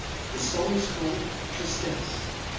The song is called, Tristesse."